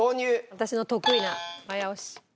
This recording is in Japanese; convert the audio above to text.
私の得意な早押し。